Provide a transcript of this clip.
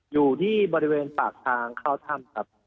อยู่ที่บริเวณปากทางเข้าถ้ำครับ